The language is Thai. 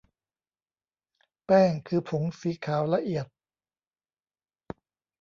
แป้งคือผงสีขาวละเอียด